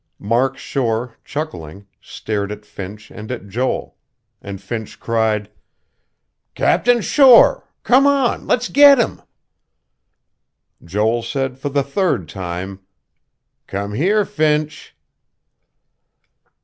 Mark Shore, chuckling, stared at Finch and at Joel; and Finch cried: "Captain Shore. Come on. Let's get him...." Joel said for the third time: "Come here, Finch."